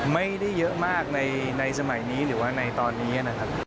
ไม่ได้เยอะมากในสมัยนี้หรือว่าในตอนนี้นะครับ